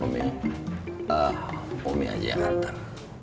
umi umi aja yang antar